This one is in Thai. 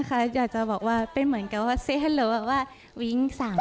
ก็อยากจะบอกว่าเป็นเหมือนกันว่าเซฮัลล์หรือว่า